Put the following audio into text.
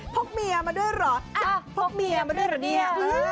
กเมียมาด้วยเหรอพกเมียมาด้วยเหรอเนี่ย